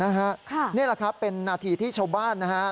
โอ้ค่ะนี่แหละครับเป็นหน้าที่ที่ชาวบ้านนะครับ